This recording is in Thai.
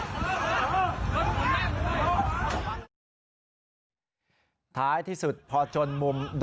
สวัสดีครับ